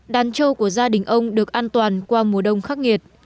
đàn trâu của gia đình ông được an toàn qua mùa đông khắc nghiệt